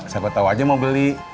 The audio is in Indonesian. siapa tau aja mau beli